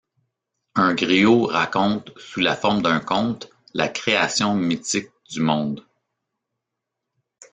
Un griot raconte, sous la forme d'un conte, la création mythique du monde.